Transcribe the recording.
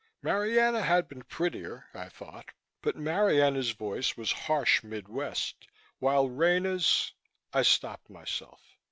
Marianna had been prettier, I thought, but Marianna's voice was harsh Midwest while Rena's I stopped myself.